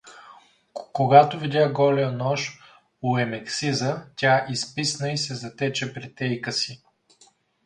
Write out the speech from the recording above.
Когато видя голия нож у Емексиза, тя изписна и се затече при тейка си.